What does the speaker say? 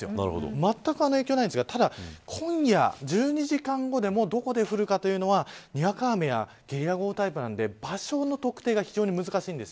まったく影響ないんですがただ今夜１２時間後でもどこで降るかというのはにわか雨やゲリラ豪雨タイプなんで場所の特定が非常に難しいんです。